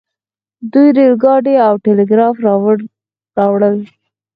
دوی ریل ګاډی او ټیلیګراف راوړل.